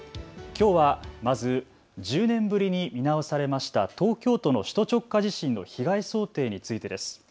きょうは、まず１０年ぶりに見直されました東京都の首都直下地震の被害想定についてです。